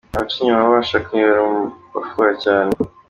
Abaca inyuma abo bashakanye bari mu bafuha cyane.